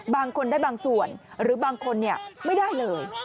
บางคนได้บางส่วนหรือบางคนไม่ได้เลย